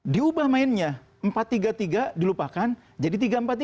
diubah mainnya empat tiga tiga dilupakan jadi tiga empat tiga